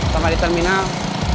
sama di terminal